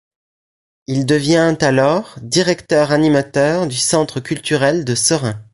Il devient alors directeur-animateur du Centre culturel de Seraing.